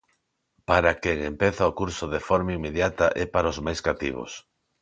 Para quen empeza o curso de forma inmediata é para os máis cativos.